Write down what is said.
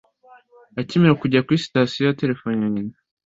Akimara kugera kuri sitasiyo, yaterefonnye nyina.